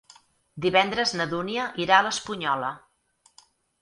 Divendres na Dúnia irà a l'Espunyola.